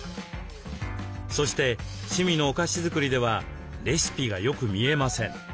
そして趣味のお菓子作りではレシピがよく見えません。